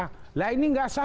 lahlah ini enggak sah